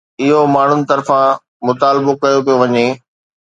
اهو ماڻهن طرفان مطالبو ڪيو پيو وڃي